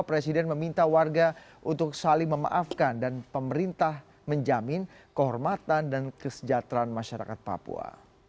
presiden meminta warga untuk saling memaafkan dan pemerintah menjamin kehormatan dan kesejahteraan masyarakat papua